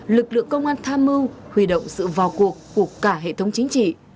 lực lượng công an tham mưu huy động sự vào cuộc của cả hệ thống chính trị